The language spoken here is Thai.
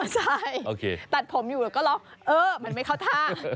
ใช่ตัดผมอยู่แล้วก็ล็อกเออมันไม่เข้าท่า